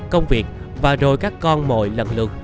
công việc và rồi các con mồi lận lượt